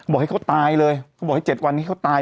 บอกให้เขาตายเลยเขาบอกให้๗วันนี้เขาตาย